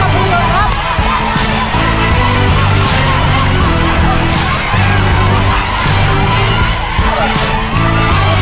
กลายไปแล้วนะครับคุณผู้ชมครับ